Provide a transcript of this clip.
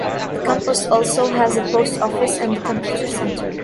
The campus also has a Post Office and a Computer Center.